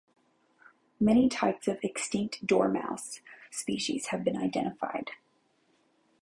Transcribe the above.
Many types of extinct dormouse species have been identified.